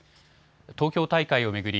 東京大会を巡り